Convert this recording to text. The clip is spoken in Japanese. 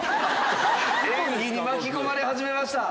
演技に巻き込まれ始めました。